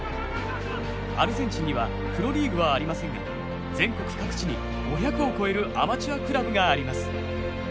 アルゼンチンにはプロリーグはありませんが全国各地に５００を超えるアマチュアクラブがあります。